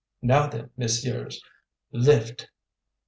"Now, then, messieurs, LIFT!"